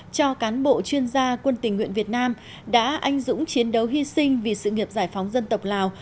cho cán bộ chuyên gia quân tình nguyện việt nam đã anh dũng chiến đấu hy sinh vì sự nghiệp giải phóng dân tộc lào